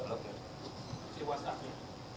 pihak facebook selaku pemilik whatsapp